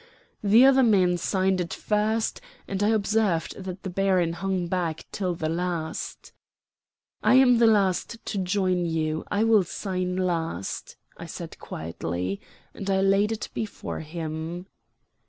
The other men signed it first, and I observed that the baron hung back until the last. "I am the last to join you, I will sign last," I said quietly, and I laid it before him.